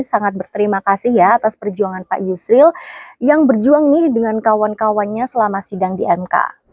sangat berterima kasih ya atas perjuangan pak yusril yang berjuang nih dengan kawan kawannya selama sidang di mk